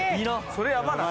それやばない？